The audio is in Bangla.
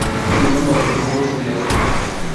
শুধু জুম্মাবারে কিছু মুসুল্লি আসেন।